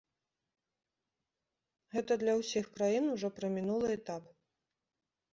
Гэта для ўсіх краін ужо прамінулы этап.